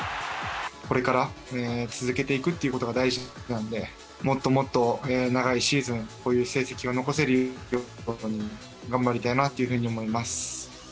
これから続けていくっていうことが大事なんで、もっともっと長いシーズン、こういう成績を残せるように頑張りたいなというふうに思います。